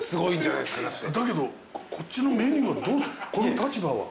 だけどこっちのメニューのこの立場は？